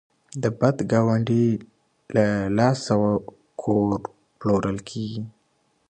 د بد ګاونډي له لاسه کور پلورل کیږي.